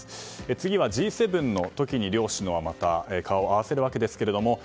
次はＧ７の時に両首脳は、また顔を合わせるわけですけれども。